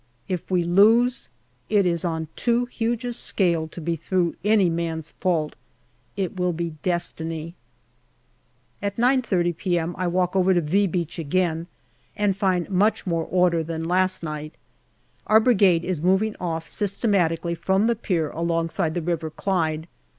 If we lose, it is on too huge a scale to be through any man's fault it will be Destiny. At 9.30 p.m. I walk over to " V " Beach again and find much more order there than last night. Our Brigade is moving off systematically from the pier alongside the River Clyde.